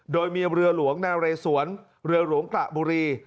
โดยมีเรือหลวงนาเรสวนเรือหลวงกระบุรี